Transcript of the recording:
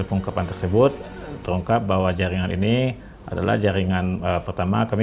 yang tetap bernama lee coe armand